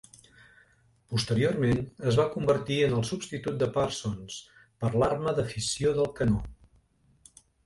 Posteriorment es va convertir en el substitut de Parsons per l'arma de fissió del canó.